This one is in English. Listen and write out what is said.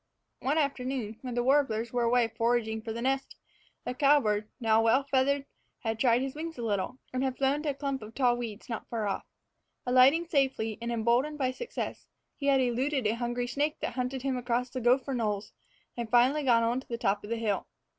One afternoon, when the warblers were away foraging for the nest, the cowbird, now well feathered, had tried his wings a little, and had flown to a clump of tall weeds not far off. Alighting safely, and emboldened by success, he had eluded a hungry snake that hunted him across the gopher knolls, and finally gone on to the top of the hill.